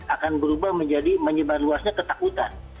akan berubah menjadi menyebar luasnya ketakutan